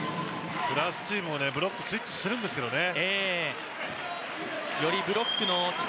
フランスチームもブロックスイッチしてるんですけどね。